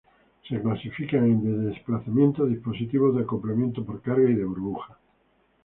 Se clasifican en: de desplazamiento, dispositivos de acoplamiento por carga, y de burbuja.